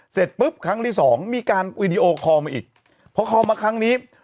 เสร็จปุ๊บครั้งที่สองมีการวีดีโอคอลมาอีกพอคอมาครั้งนี้